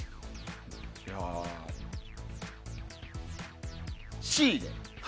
じゃあ、Ｃで。